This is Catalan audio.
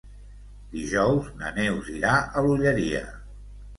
Dijous na Neus irà a l'Olleria.